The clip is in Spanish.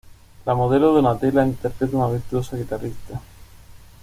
La modelo Donatella, interpreta a una virtuosa guitarrista.